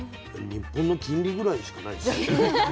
日本の金利ぐらいしかないですね。